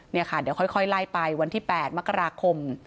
เดี๋ยวค่อยไล่ไปวันที่๘มกราคม